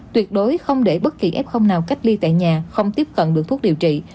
tuyệt đối không để bất kỳ f nào cách ly tại nhà không tiếp cận được thuốc điều trị